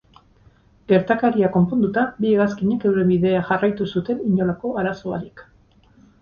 Gertakaria konponduta, bi hegazkinek euren bidea jarraitu zuten, inolako arazo barik.